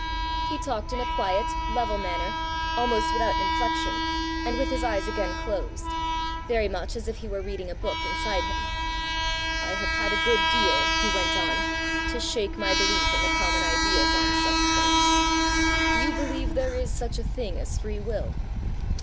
He talked in a quiet, level manner, almost without inflection, and with his eyes again closed very much as if he were reading a book inside him. "I have had a good deal," he went on, "to shake my belief in the common ideas on such points. Do you believe there is such a thing as free will?"